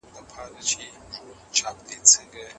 هرې نوې مرحلې پخوانۍ کيسې هېرې کړې.